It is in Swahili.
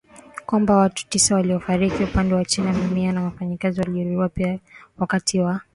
kwamba watu tisa walifariki upande wa China Mamia ya wafanyakazi walijeruhiwa pia wakati wa